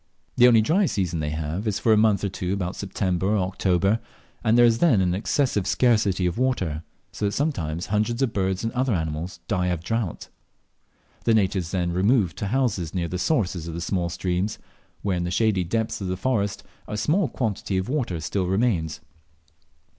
The only dry season they have is for a month or two about September or October, and there is then an excessive scarcity of water, so that sometimes hundreds of birds and other animals die of drought. The natives then remove to houses near the sources of the small streams, where, in the shady depths of the forest, a small quantity of water still remains.